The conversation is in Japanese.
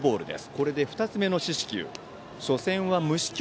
これで２つ目の四死球。